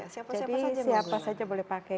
siapa siapa saja boleh pakai